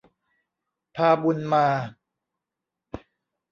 พาบุญมา